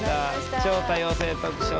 「超多様性トークショー！